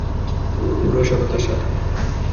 পুরো সততার সাথে!